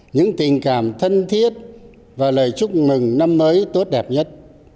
những tình cảm thân thiết và lời chúc mừng năm mới tốt đẹp nhất